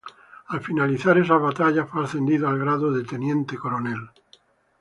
Al finalizar esas batallas fue ascendido al grado de Teniente Coronel.